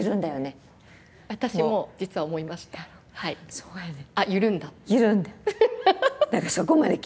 そうやねん。